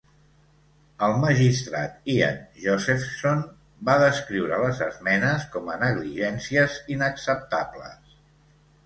El magistrat Ian Josephson va descriure les esmenes com a "negligències inacceptables".